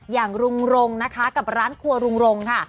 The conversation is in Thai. อย่างรุงรงนะคะกับร้านครัวลุงรงค่ะ